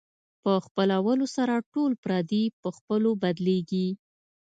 په خپلولو سره ټول پردي په خپلو بدلېږي.